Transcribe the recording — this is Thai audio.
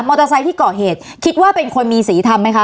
เตอร์ไซค์ที่เกาะเหตุคิดว่าเป็นคนมีสีทำไหมคะ